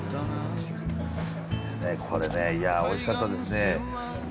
これねいやおいしかったですね。